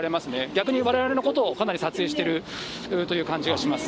逆にわれわれのことをかなり撮影しているという感じがします。